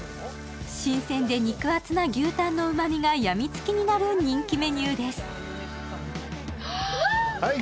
新鮮で肉厚な牛タンのうまみがやみつきになる人気メニューです。